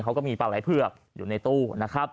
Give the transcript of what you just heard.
เขาก็มีปลาไหล่เผือกอยู่ในตู้นะครับ